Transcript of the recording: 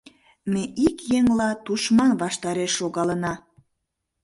Ме ик еҥла тушман ваштареш шогалына!